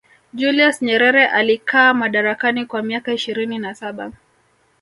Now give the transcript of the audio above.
julius nyerere alikaa madarakani kwa miaka ishirini na saba